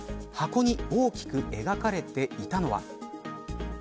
箱に大きく描かれていたのは。